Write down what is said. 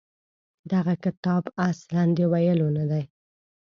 دغه کتاب اصلاً د ویلو نه دی.